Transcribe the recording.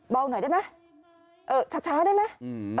หน่อยได้ไหมช้าได้ไหม